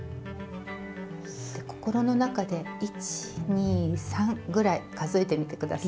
心の中で１２３ぐらい数えてみて下さい。